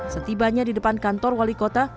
setibanya di depan kantor wali kota